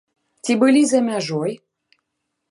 Ці былі за мяжой?